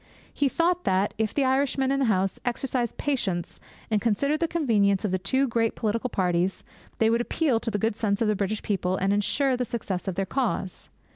He thought that, if the Irishmen in the House exercised patience, and considered the convenience of the two great political parties, they would appeal to the good sense of the British people and ensure the success of their cause.